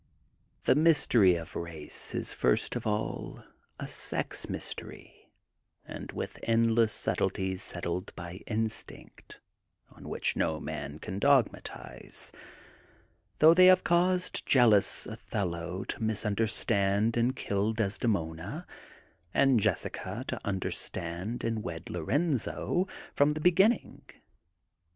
The mystery of race is first of all a sex mystery, and with endless subtleties settled by instinct, on which no man can dogmatize, though they have caused jealous Otiiello to misunderstand and kill Desdemona, and Jes sica to understand and wed Lorenzo, from the beginning.